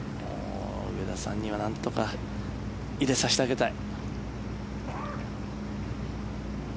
上田さんにはなんとか入れさせてあげたい。